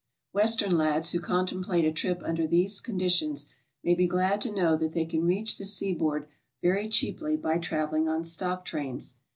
Western lads who contemplate a trip under these con ditions may be glad to know that they can reach the sea board very cheaply by traveling on stock trains.